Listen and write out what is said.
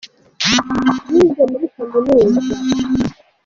Yize muri Kaminuza.